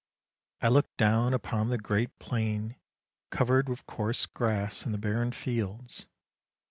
" I looked down upon the great plain covered with coarse grass and the barren fields.